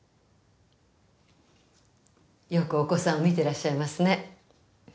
よくお子さんを見てらっしゃいますね。